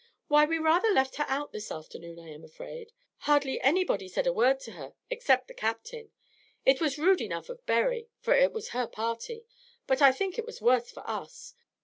"Why, we rather left her out this afternoon, I am afraid. Hardly anybody said a word to her, except the Captain. It was rude enough of Berry, for it was her party; but I think it was worse for us.